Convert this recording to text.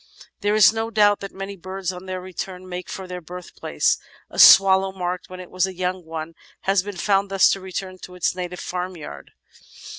There is no doubt that many birds on their return make for their birthplace. A swallow marked when it was a young one has been found thus to return to its native farmyard.